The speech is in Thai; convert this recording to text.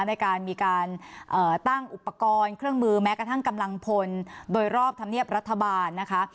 ในการมีการตั้งอุปกรณ์เครื่องมือแม้กระทั่งกำลังพลโดยรอบธรรมเนียบรัฐบาลนะคะ